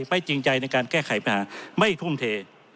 ไม่จริงใจในการแก้ไขปัญหาไม่ทุ่มเท